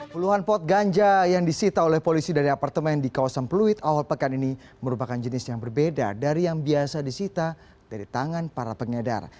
puluhan pot ganja yang disita oleh polisi dari apartemen di kawasan pluit awal pekan ini merupakan jenis yang berbeda dari yang biasa disita dari tangan para pengedar